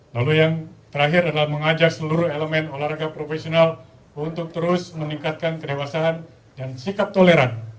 lalu yang terakhir adalah mengajak seluruh elemen olahraga profesional untuk terus meningkatkan kedewasaan dan sikap toleran